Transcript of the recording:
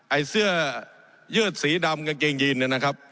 ไอ้เสื้อยืดสีดำกางเกงยีนเนี่ยนะครับ